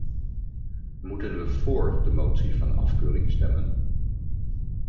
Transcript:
Moeten we voor de motie van afkeuring stemmen?